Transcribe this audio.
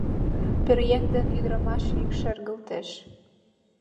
Пӧръеҥ ден ӱдырамаш йӱк шергылтеш: